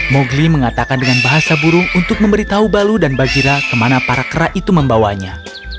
mowgli mengatakan dengan bahasa burung untuk memberitahu balu dan bazira kemana para kera itu membawanya